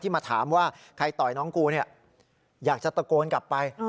มาถามว่าใครต่อยน้องกูเนี่ยอยากจะตะโกนกลับไป